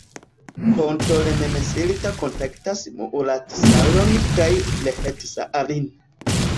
Ponto Lemmensilta kontaktas Muuratsalon kaj Lehtisaarin.